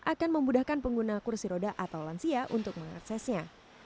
akan memudahkan pengguna kursi roda atau lansia untuk mengaksesnya